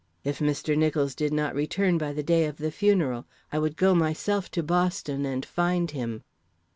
If Mr. Nicholls did not return by the day of the funeral, I would go myself to Boston and find him.